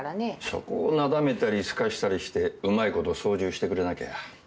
そこをなだめたりすかしたりしてうまいこと操縦してくれなきゃ。